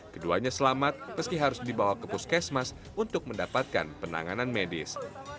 keduanya selamat meski harus dibawa ke puskesmas untuk mendapatkan penanganan medis